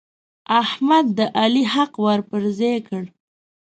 احمد د علي حق ور پر ځای کړ.